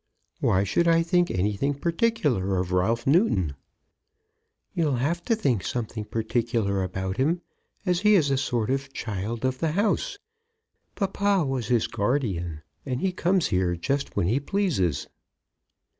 "Why should I think anything particular of Ralph Newton?" "You'll have to think something particular about him as he is a sort of child of the house. Papa was his guardian, and he comes here just when he pleases."